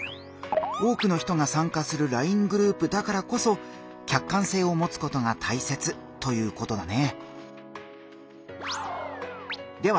多くの人が参加するＬＩＮＥグループだからこそ客観性をもつことがたいせつということだね。